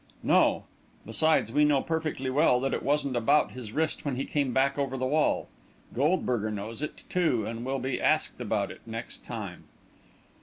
"No; besides, we know perfectly well that it wasn't about his wrist when he came back over the wall. Goldberger knows it, too, and we'll be asked about it, next time."